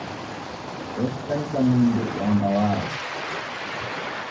Ochikanyika mwindi wamba waghwa